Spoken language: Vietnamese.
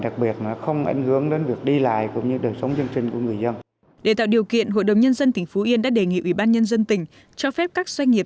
cộng nhân dân tỉnh phú yên đã đề nghị ủy ban nhân dân tỉnh cho phép các doanh nghiệp